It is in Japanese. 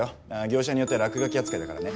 業者によっては落書き扱いだからね。